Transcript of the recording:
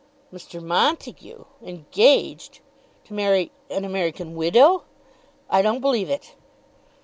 "Mr. Montague engaged to marry an American widow! I don't believe it."